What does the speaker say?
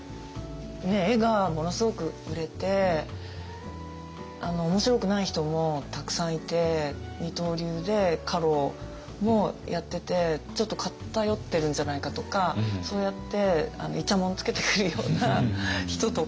絵がものすごく売れて面白くない人もたくさんいて二刀流で家老もやっててちょっと偏ってるんじゃないかとかそうやっていちゃもんつけてくるような人とか。